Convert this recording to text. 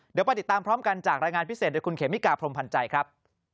เดี๋ยวไปติดตามพร้อมกันจากรายงานพิเศษโดยคุณเขมิกาพรมพันธ์ใจครับ